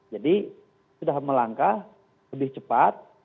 jadi sudah melangkah lebih cepat